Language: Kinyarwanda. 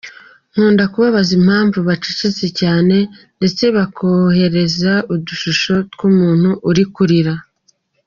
Nkunda kubabaza impamvu bacecetse cyane ndetse nkaboherereza udushusho tw’umuntu uri kurira.